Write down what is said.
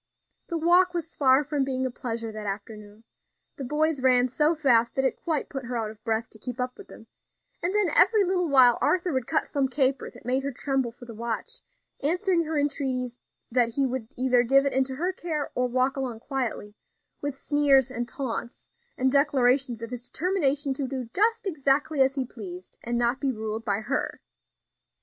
The walk was far from being a pleasure that afternoon; the boys ran so fast that it quite put her out of breath to keep up with them; and then every little while Arthur would cut some caper that made her tremble for the watch; answering her entreaties that he would either give it into her care or walk along quietly, with sneers and taunts, and declarations of his determination to do just exactly as he pleased, and not be ruled by her.